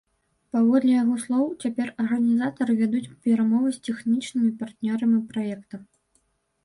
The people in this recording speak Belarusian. Паводле яго слоў, цяпер арганізатары вядуць перамовы з тэхнічнымі партнёрамі праекта.